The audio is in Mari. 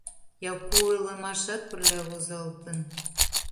«Яку» ойлымашат пырля возалтын.